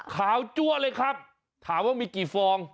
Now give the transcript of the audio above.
จัวเลยครับถามว่ามีกี่ฟอง